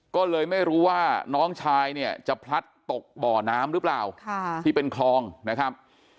ก็เลยไม่รู้ว่าน้องชายเนี่ยจะพลัดตกบ่อน้ำหรือเปล่าที่เป็นคลองนะครับ